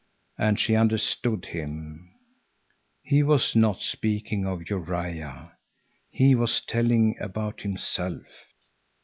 And she understood him. He was not speaking of Uria; he was telling about himself.